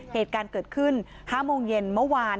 เหตุการณ์เกิดขึ้น๕โมงเย็นเมื่อวาน